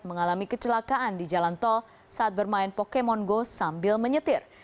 mengalami kecelakaan di jalan tol saat bermain pokemon go sambil menyetir